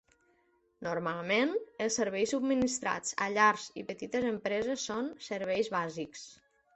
Normalment, els serveis subministrats a llars i petites empreses són serveis bàsics.